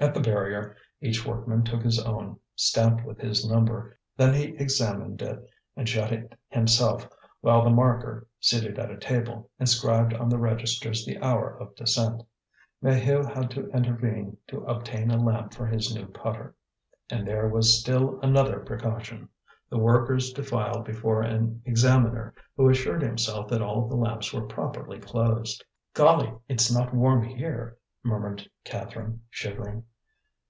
At the barrier each workman took his own, stamped with his number; then he examined it and shut it himself, while the marker, seated at a table, inscribed on the registers the hour of descent. Maheu had to intervene to obtain a lamp for his new putter, and there was still another precaution: the workers defiled before an examiner, who assured himself that all the lamps were properly closed. "Golly! It's not warm here," murmured Catherine, shivering.